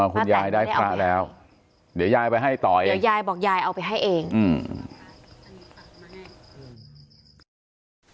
คุณยายได้พระแล้วเดี๋ยวยายไปให้ต่อเองเดี๋ยวยายบอกยายเอาไปให้เองอืม